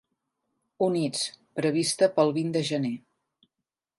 Units, prevista per al vint de gener.